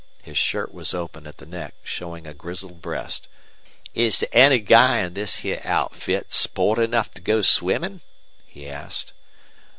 His shirt was open at the neck, showing a grizzled breast. "Is there any guy in this heah outfit sport enough to go swimmin'?" he asked.